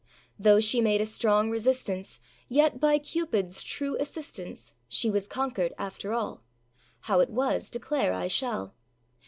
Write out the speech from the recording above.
Though she made a strong resistance, Yet by Cupidâs true assistance, She was conquered after all; How it was declare I shall.